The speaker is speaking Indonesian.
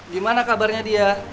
gimana kabarnya dia